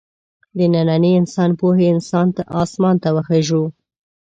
د ننني انسان پوهې اسمان ته وخېژو.